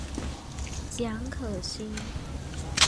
蒋可心。